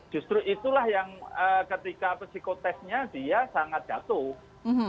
justru itulah yang ketika psikotestnya dia sangat jatuh